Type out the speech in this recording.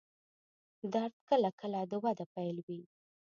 درد کله کله د وده پیل وي.